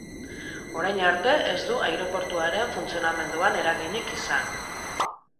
Orain arte, ez du aireportuaren funtzionamenduan eraginik izan.